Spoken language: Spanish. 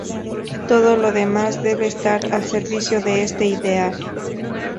Todo lo demás debe estar al servicio de este ideal.